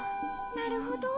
なるほど。